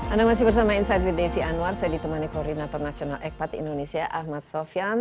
anda masih bersama insight with desi anwar saya ditemani koordinator nasional ekpat indonesia ahmad sofyan